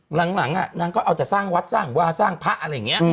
หลังหลังอ่ะนางก็เอาจากสร้างวัดสร้างวาสร้างพระอะไรอย่างเงี้ยอืม